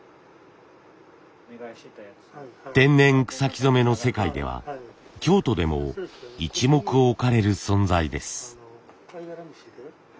天然草木染めの世界では京都でも一目置かれる存在です。